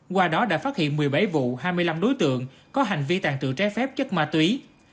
qua đó đã phát hiện một mươi bảy vụ hai mươi năm đối tượng có hành vi tàn trự trái phép chất ma túy